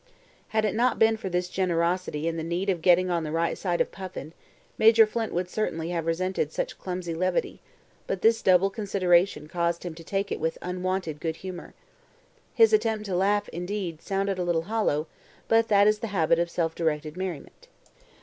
Had it not been for this generosity and the need of getting on the right side of Puffin, Major Flint would certainly have resented such clumsy levity, but this double consideration caused him to take it with unwonted good humour. His attempt to laugh, indeed, sounded a little hollow, but that is the habit of self directed merriment.